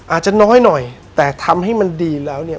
อาจจะน้อยหน่อยแต่ทำให้มันดีแล้วเนี่ย